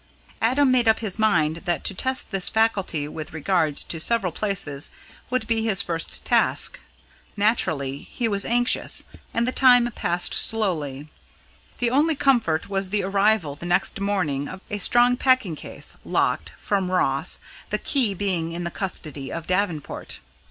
Adam made up his mind that to test this faculty with regard to several places would be his first task. Naturally he was anxious, and the time passed slowly. The only comfort was the arrival the next morning of a strong packing case, locked, from Ross, the key being in the custody of Davenport.